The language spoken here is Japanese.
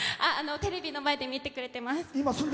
テレビの前で見てくれてます。